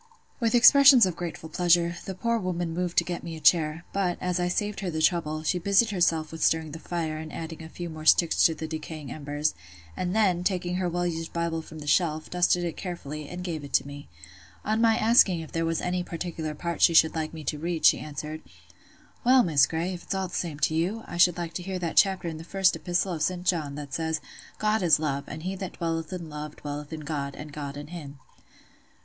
With expressions of grateful pleasure, the poor woman moved to get me a chair; but, as I saved her the trouble, she busied herself with stirring the fire, and adding a few more sticks to the decaying embers; and then, taking her well used Bible from the shelf, dusted it carefully, and gave it me. On my asking if there was any particular part she should like me to read, she answered— "Well, Miss Grey, if it's all the same to you, I should like to hear that chapter in the First Epistle of St. John, that says, 'God is love, and he that dwelleth in love dwelleth in God, and God in him.